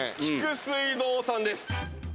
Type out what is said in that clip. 菊水堂さんです。